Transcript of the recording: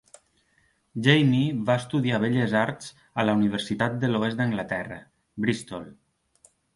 Jamie va estudiar belles arts a la Universitat de l'Oest d'Anglaterra, Bristol.